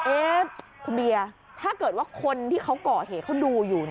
เอ๊ะคุณเบียร์ถ้าเกิดว่าคนที่เขาก่อเหตุเขาดูอยู่